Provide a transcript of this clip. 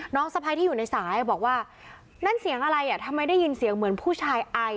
สะพ้ายที่อยู่ในสายบอกว่านั่นเสียงอะไรอ่ะทำไมได้ยินเสียงเหมือนผู้ชายไอ